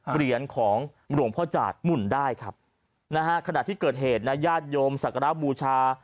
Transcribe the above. เปลี่ยนของหลวงพ่อจาธรรมุ่นได้ครับขณะที่เกิดเหตุญาติโยมสักราบบูชา